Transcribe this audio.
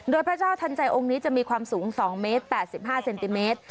โดยพระเจ้าทันใจองค์นี้จะมีความสูง๒เมตร๘๕เซนติเมตร